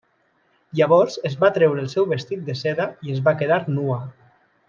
Llavors es va treure el seu vestit de seda i es va quedar nua.